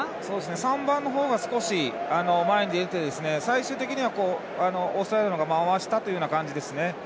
３番の方が少し、前に出て最終的には、オーストラリアが回したというような感じですね。